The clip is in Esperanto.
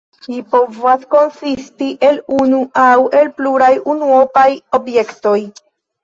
Ĝi povas konsisti el unu aŭ el pluraj unuopaj objektoj.